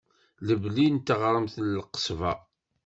Lebni n teɣremt n Lqesba.